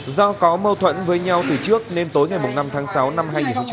do có mâu thuẫn với nhau từ trước nên tối ngày năm tháng sáu năm hai nghìn hai mươi